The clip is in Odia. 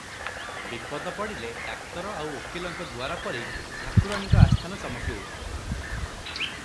ବିପଦ ପଡ଼ିଲେ ଡାକ୍ତର ଆଉ ଓକିଲଙ୍କ ଦୁଆରପରି ଠାକୁରାଣୀଙ୍କ ଆସ୍ଥାନ ଚମକିଉଠେ ।